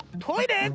トイレ⁉